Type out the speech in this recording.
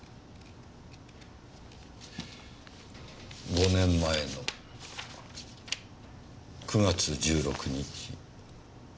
５年前の９月１６日。